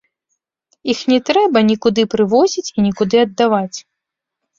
Іх не трэба нікуды прывозіць і нікуды аддаваць.